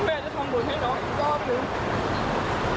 แม่จะทำบุญให้น้องอีกรอบนึง